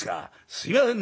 すいませんね』